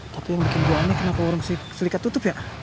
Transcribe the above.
tapi yang bikin gue aneh kenapa warung sulika tutup ya